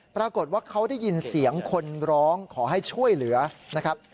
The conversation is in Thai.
ปรากฏว่าเขาได้ยินเสียงคนร้องขอให้ช่วยเหลือนะครับ